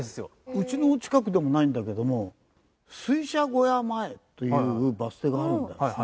うちの近くでもないんだけども水車小屋前というバス停があるんだよ。